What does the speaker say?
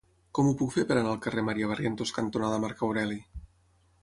Com ho puc fer per anar al carrer Maria Barrientos cantonada Marc Aureli?